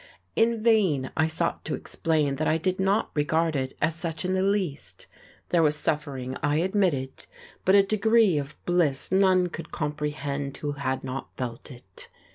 In vain I sought to explain that I did not regard it as such in the least; there was suffering, I admitted, but a degree of bliss none could comprehend who had not felt it.